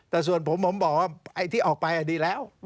แต่ส่วนผมผมบอกว่าไอ้ที่ออกไปดีแล้ว